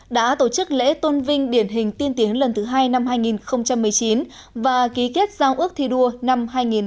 đã tổ chức lễ tôn vinh điển hình tiên tiến lần thứ hai năm hai nghìn một mươi chín và ký kết giao ước thi đua năm hai nghìn hai mươi